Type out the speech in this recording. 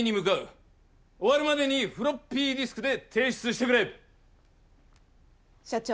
終わるまでにフロッピーディスクで提出してくれ。社長。